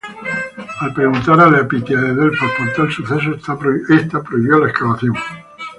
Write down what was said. Al preguntar a la pitia de Delfos por tal suceso esta prohibió la excavación.